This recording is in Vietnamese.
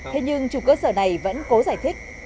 thế nhưng chủ cơ sở này vẫn cố giải thích